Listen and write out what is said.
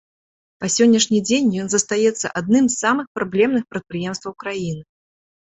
Па сённяшні дзень ён застаецца адным з самых праблемных прадпрыемстваў краіны.